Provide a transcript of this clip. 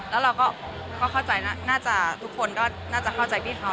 แล้วเราก็เข้าใจน่าจะทุกคนก็น่าจะเข้าใจพี่เขา